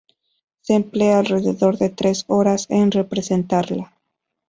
Se emplea alrededor de tres horas en representarla.